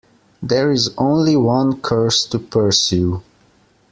There is only one course to pursue.